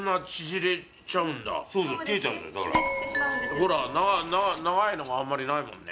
ほら長いのがあんまりないもんね。